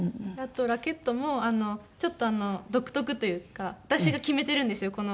あとラケットもちょっと独特というか私が決めているんですよ